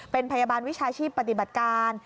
เป็นพยาบาลวิชาชีพปฏิบัติการ